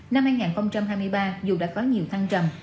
năm hai nghìn hai mươi ba dù đã có nhiều thăng trầm